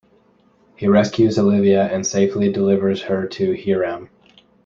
He rescues Olivia and safely delivers her to Hiram.